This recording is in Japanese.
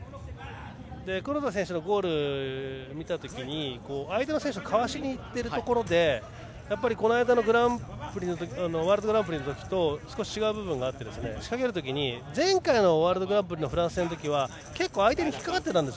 黒田選手のゴールを見たときに相手の選手をかわしにいっているところでこの間のワールドグランプリのときと少し違う部分があって前回のワールドグランプリのフランス戦のときは結構相手に引っかかっていたんです。